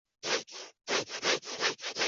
满洲国国内和去往日本均设为定期航线。